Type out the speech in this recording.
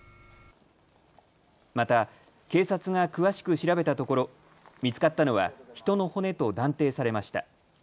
また警察が詳しく調べたところ見つかったのは人の骨と断定されました。